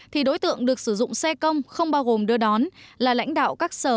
thì đối tượng được sử dụng xe công không bao gồm đưa đón là lãnh đạo các sở